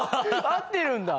「合ってるんだ」